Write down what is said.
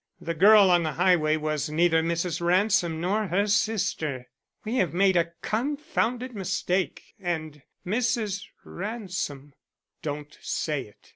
The girl on the highway was neither Mrs. Ransom nor her sister. We have made a confounded mistake and Mrs. Ransom " "Don't say it.